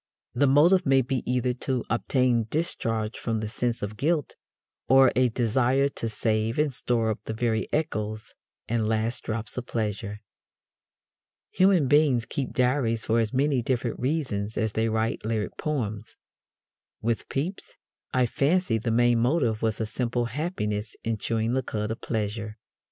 The motive may be either to obtain discharge from the sense of guilt or a desire to save and store up the very echoes and last drops of pleasure. Human beings keep diaries for as many different reasons as they write lyric poems. With Pepys, I fancy, the main motive was a simple happiness in chewing the cud of pleasure.